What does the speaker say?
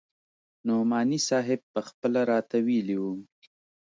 نعماني صاحب پخپله راته ويلي وو.